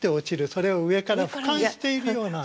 それを上からふかんしているような。